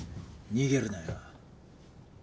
逃げるなよ。